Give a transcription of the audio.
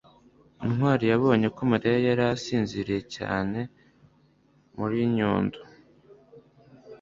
ntwali yabonye ko mariya yari asinziriye cyane muri nyundo